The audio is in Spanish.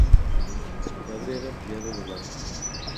Su padre era empleado de banca.